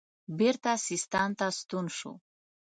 بیرته سیستان ته ستون شو.